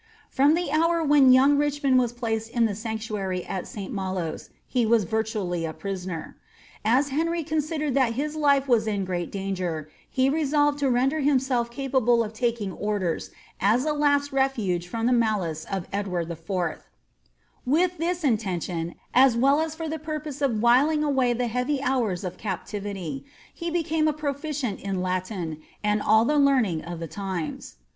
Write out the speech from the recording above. From the hour when young Richmond was placed in the sanctuair at Sl Malos, he was virtually a prisoner. As Henry considered that his life was in great danger, he resolved to render himself capable of taking orders, as a last refuge from tlie malice of Eld ward IV. With this inten tion, as well as for the purpose of whiling away the heavy hours of cap* tivity, he became a proficient in Latin and all the learning of the times.'